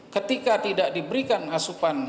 ketika tidak diberikan asupan